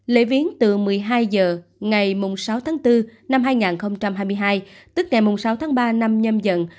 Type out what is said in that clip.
lễ viếng từ một mươi hai h ngày sáu tháng bốn năm hai nghìn hai mươi hai tức ngày sáu tháng ba năm nhâm dần